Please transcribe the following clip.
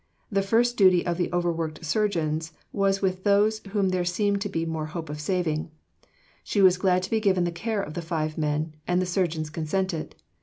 The first duty of the overworked surgeons was with those whom there seemed to be more hope of saving. She asked to be given the care of the five men, and the surgeons consented.